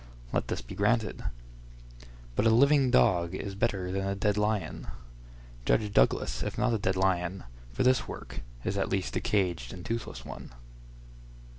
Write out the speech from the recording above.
Let this be granted. "But a living dog is better than a dead lion." Judge Douglas, if not a dead lion, for this work, is at least a caged and toothless one.